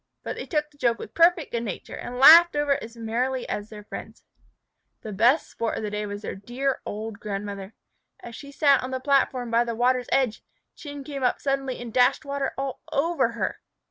But they took the joke with perfect good nature, and laughed over it as merrily as their friends. The best sport of the day was with their dear old grandmother. As she sat on the platform by the water's edge, Chin came up suddenly and dashed water all over her.